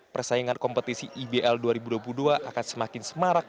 persaingan kompetisi ibl dua ribu dua puluh dua akan semakin semarak